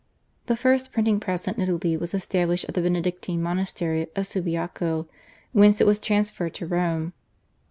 The first printing press in Italy was established at the Benedictine monastery of Subiaco, whence it was transferred to Rome.